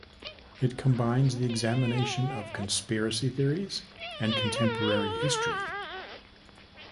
It combines the examination of conspiracy theories and contemporary history.